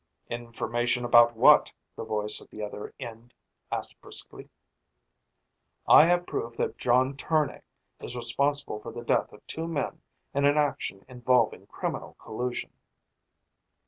"Information about what?" the voice at the other end asked briskly. "I have proof that John Tournay is responsible for the death of two men, in an action involving criminal collusion."